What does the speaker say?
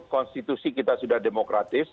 konstitusi kita sudah demokratis